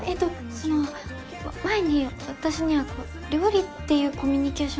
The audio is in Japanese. その前に私には料理っていうコミュニケーションツール。